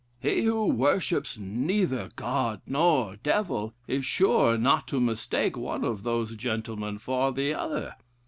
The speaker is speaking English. He who worships neither God nor Devil, is sure not to mistake one of those gentlemen for the other.